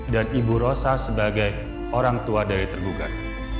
dan ibu rosa sebagai orang tua dari tergugat